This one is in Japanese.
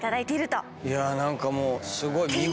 いや何かもうすごい。